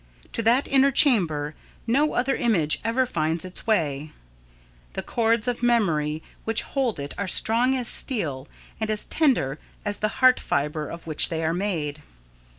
To that inner chamber no other image ever finds its way. The cords of memory which hold it are strong as steel and as tender as the heart fibre of which they are made.